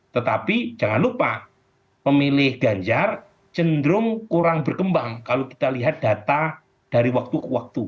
tetapi jangan lupa pemilih ganjar cenderung kurang berkembang kalau kita lihat data dari waktu ke waktu